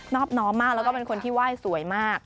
อบน้อมมากแล้วก็เป็นคนที่ไหว้สวยมาก